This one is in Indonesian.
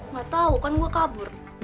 gatau kan gue kabur